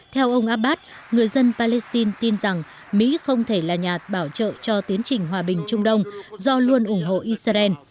theo ông abbas người dân palestine tin rằng mỹ không thể là nhà bảo trợ cho tiến trình hòa bình trung đông do luôn ủng hộ israel